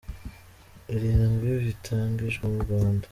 Irindwi bitangijwe mu Rwanda.